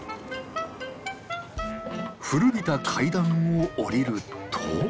古びた階段を降りると。